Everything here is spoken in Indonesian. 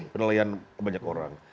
penilaian banyak orang